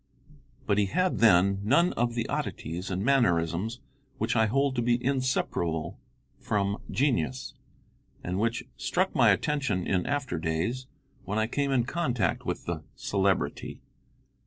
But he had then none of the oddities and mannerisms which I hold to be inseparable from genius, and which struck my attention in after days when I came in contact with the Celebrity.